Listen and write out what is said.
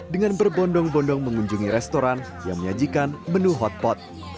dengan berbondong bondong mengunjungi restoran yang menyajikan menu hotpot